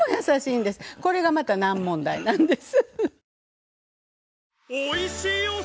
これがまた難問題なんです。